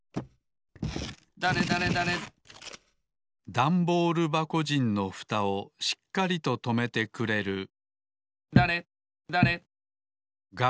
ダンボールばこじんのふたをしっかりととめてくれるだれだれ。